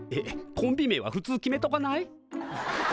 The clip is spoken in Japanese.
コンビ名はふつう決めとかない？